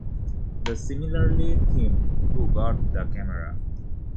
The similarly themed Who Got the Camera?